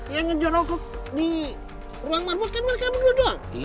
yang ngejorok di ruang marbot kan mereka berdua doang